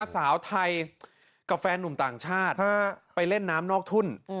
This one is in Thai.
สาวไทยกับแฟนหนุ่มต่างชาติไปเล่นน้ำนอกทุ่น